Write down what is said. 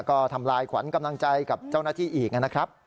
ก็ทำลายขวัญกำลังใจกับเจ้าหน้าที่อีกนะครับ